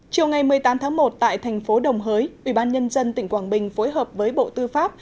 chiều ngày một mươi tám tháng một tại thành phố đồng hới ủy ban nhân dân tỉnh quảng bình phối hợp với bộ tư pháp